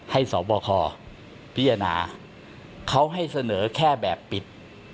สบคพิจารณาเขาให้เสนอแค่แบบปิด